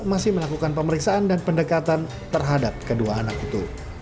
masih melakukan pemeriksaan dan pendekatan terhadap kedua anak itu